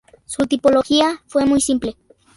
Su tipología fue muy simple.